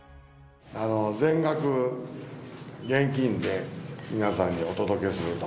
全額現金で皆さんにお届けすると。